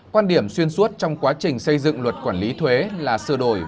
quan điểm xuyên suốt trong quá trình xây dựng luật quản lý thuế là sửa đổi